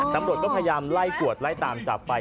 ตำรวจก็พยายามไล่กวดไล่ตามจับไป